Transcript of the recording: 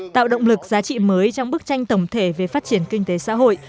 tạo động lực giá trị mới trong bức tranh tổng thể về phát triển kinh tế xã hội